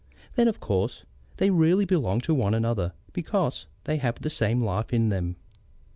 Then, of course, they really belong to one another, because they have the same life in them.